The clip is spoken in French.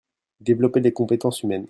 Développer les compétences humaines.